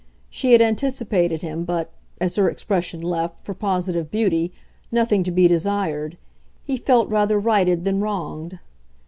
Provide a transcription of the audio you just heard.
She had anticipated him, but, as her expression left, for positive beauty, nothing to be desired, he felt rather righted than wronged.